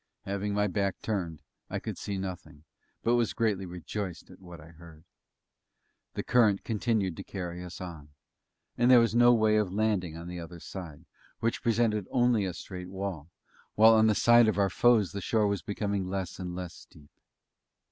Having my back turned, I could see nothing, but was greatly rejoiced at what I heard. The current continued to carry us on, and there was no way of landing on the other side, which presented only a straight wall, while on the side of our foes the shore was becoming less and less steep.